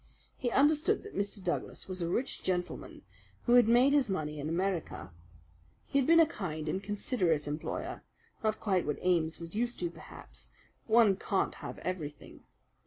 He understood that Mr. Douglas was a rich gentleman who had made his money in America. He had been a kind and considerate employer not quite what Ames was used to, perhaps; but one can't have everything.